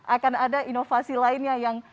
akan ada inovasi lainnya yang